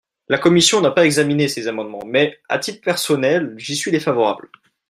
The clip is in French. La commission n’a pas examiné ces amendements mais, à titre personnel, j’y suis défavorable.